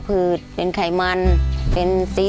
ขอเพียงคุณสามารถที่จะเอ่ยเอื้อนนะครับ